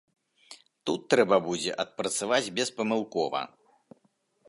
Тут трэба будзе адпрацаваць беспамылкова.